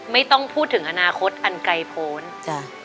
ไม่ต้องพูดถึงอนาคตอันไกลพ้นจ้ะ